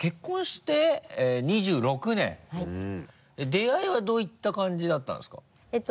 出会いはどういった感じだったんですか？